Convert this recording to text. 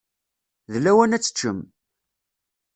D lawan ad teččem.